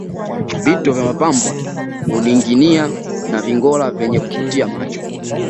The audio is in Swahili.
Vito vya mapambo huninginia na vingora vyenye kuvutia macho